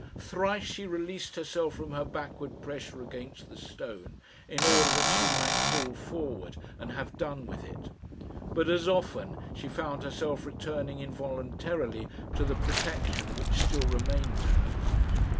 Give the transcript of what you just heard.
Thrice she released herself from her backward pressure against the stone, in order that she might fall forward and have done with it, but as often she found herself returning involuntarily to the protection which still remained to her.